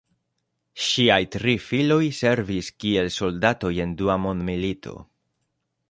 Ŝiaj tri filoj servis kiel soldatoj en Dua mondmilito.